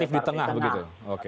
relatif di tengah begitu oke